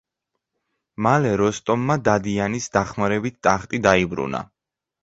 მალე როსტომმა დადიანის დახმარებით ტახტი დაიბრუნა.